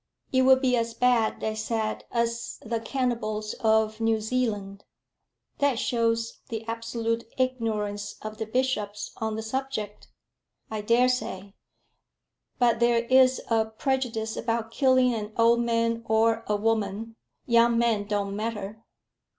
"It would be as bad, they said, as the cannibals of New Zealand." "That shows the absolute ignorance of the bishops on the subject." "I daresay; but there is a prejudice about killing an old man, or a woman. Young men don't matter."